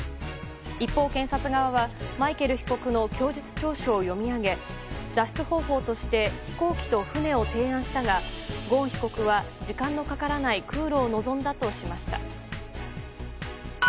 一方、検察側はマイケル被告の供述調書を読み上げ脱出方法として飛行機と船を提案したがゴーン被告は時間のかからない空路を望んだとしました。